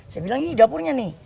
saya bilang ini dapurnya nih